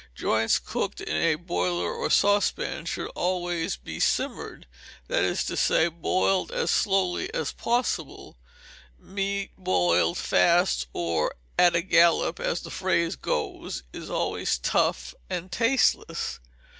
Joints cooked in a boiler or saucepan, should always be simmered, that is to say, boiled as slowly as possible. Meat boiled fast, or "at a gallop," as the phrase goes, is always tough and tasteless.